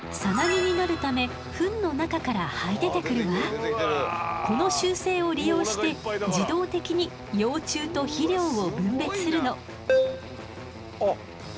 栄養を蓄えた幼虫はこの習性を利用して自動的に幼虫と肥料を分別するの。